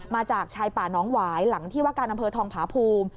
มาจากชายป่าน้องหวายหลังที่ว่าการอำเภอทองผาภูมิ